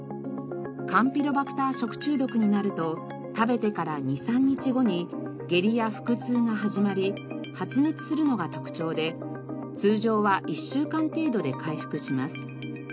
カンピロバクター食中毒になると食べてから２３日後に下痢や腹痛が始まり発熱するのが特徴で通常は１週間程度で回復します。